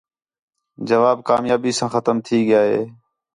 جواب کامیابی ساں ختم تھی ڳیا ہِے